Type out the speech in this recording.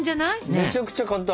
めちゃくちゃ簡単。